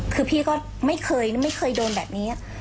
คือพี่ก็ไม่เคยไม่เคยโดนแบบนี้